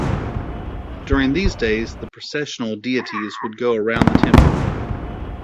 During these days the processional deities would go around the temple.